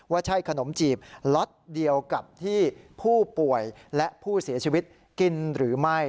ว่าใช่ขนมจีบล็อตเดียวกับที่ผู้ป่วยและผู้เสียชีวิตกินหรือไม่